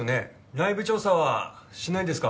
内部調査はしないんですか？